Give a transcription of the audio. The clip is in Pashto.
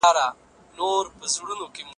هغه څوک چي ویره لري په میدان کي پاتې کیږي.